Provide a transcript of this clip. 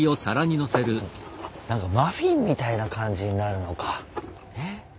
何かマフィンみたいな感じになるのか。